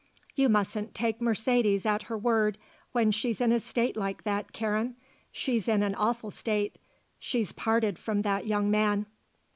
"You mustn't take Mercedes at her word when she's in a state like that, Karen. She's in an awful state. She's parted from that young man."